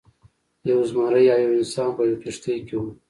یو زمری او یو انسان په یوه کښتۍ کې وو.